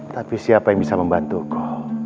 tapi siapa yang bisa membantuku